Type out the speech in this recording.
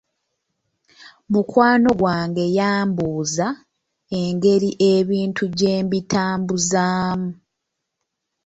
Mukwano gwange yambuuza engeri ebintu gye mbitambuzaamu.